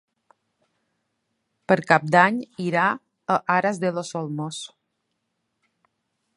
Per Cap d'Any irà a Aras de los Olmos.